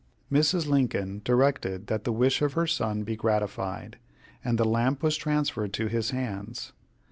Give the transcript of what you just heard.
Mrs. Lincoln directed that the wish of her son be gratified, and the lamp was transferred to his hands.